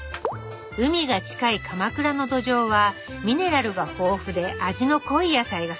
海が近い鎌倉の土壌はミネラルが豊富で味の濃い野菜が育ちます。